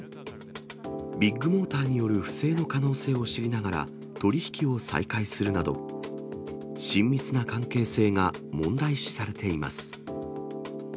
ビッグモーターによる不正の可能性を知りながら、取り引きを再開するなど、親密な関係性が問題視されています。